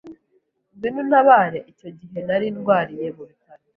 ngwino untabare icyo gihe nari ndwariye mu bitaro